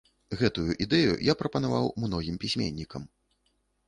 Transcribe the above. Гэтую ідэю я прапанаваў многім пісьменнікам.